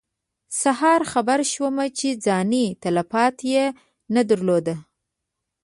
سهار خبر شوم چې ځاني تلفات یې نه درلودل.